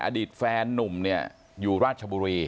อดีตแฟนนุ่มเนี่ยอยู่ราชบุรี